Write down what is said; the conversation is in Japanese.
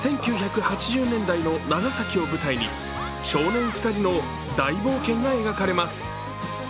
１９８０年代の長崎を舞台に少年２人の大冒険が描かれます。